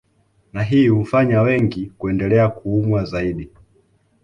Na hii hufanya wengi kuendelea kuumwa zaidi